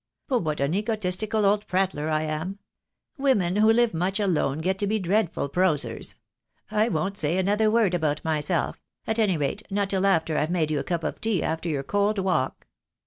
But what an egotistical old prattler I am! Women who live much alone get to be dreadful prosers. I won't say another word about myself — at any rate, not till after I've made you a cup of tea after your cold walk."